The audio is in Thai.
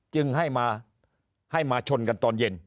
จึงให้มาให้มาชนกันตอนเย็น